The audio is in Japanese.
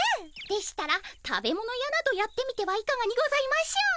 でしたら食べ物屋などやってみてはいかがにございましょう？